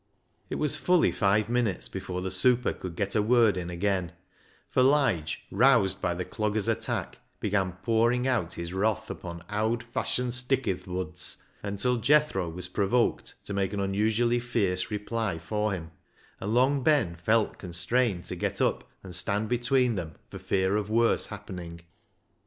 It was fully five minutes before the super could get a word in again, for Lige, roused by the dogger's attack, began pouring out his wrath upon " owd fashioned stick i' th' muds " until Jethro was provoked to make an unusually fierce reply for him, and Long Ben felt constrained to get up and stand between them for fear of worse happening.